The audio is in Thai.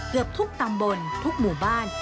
เกือบทุกตำบลทุกหมู่บ้าน